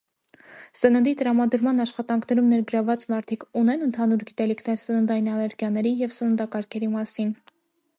Սննդի տրամադրման աշխատանքներում ներգրավված մարդիկ ունե՞ն ընդհանուր գիտելիքներ սննդային ալերգիաների և սննդակարգերի մասին։